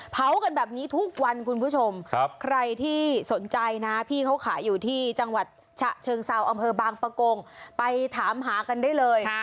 เผากันแบบนี้ทุกวันคุณผู้ชมใครที่สนใจนะพี่เขาขายอยู่ที่จังหวัดฉะเชิงเซาอำเภอบางปะโกงไปถามหากันได้เลย